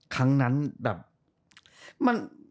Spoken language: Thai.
ครั้งนั้นแบบ